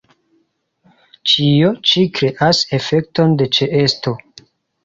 Ĉio ĉi kreas efekton de ĉeesto.